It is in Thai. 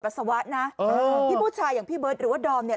สาวะนะพี่ผู้ชายอย่างพี่เบิร์ตหรือว่าดอมเนี่ย